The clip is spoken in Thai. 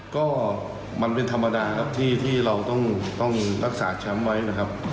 ก็มันเป็นธรรมดาครับที่เราต้องรักษาแชมป์ไว้นะครับ